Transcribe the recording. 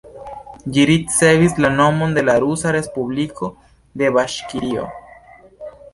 Ĝi ricevis la nomon de la rusa respubliko de Baŝkirio.